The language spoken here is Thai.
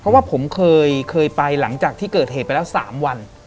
เพราะว่าผมเคยไปหลังจากที่เกิดเหตุไปแล้ว๓วัน